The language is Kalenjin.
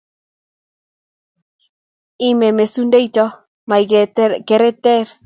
Ime mesundeito, ma i kereter